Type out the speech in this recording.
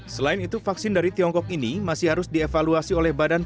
selain itu vaksin dari tiongkok ini masih harus dievaluasi oleh badan